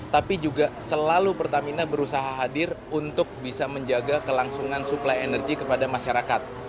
tapi juga selalu pertamina berusaha hadir untuk bisa menjaga kelangsungan suplai energi kepada masyarakat